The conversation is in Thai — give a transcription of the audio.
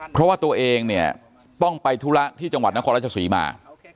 เพราะว่าตัวเองเนี่ยต้องไปธุระที่จังหวัดนครราชศรีมา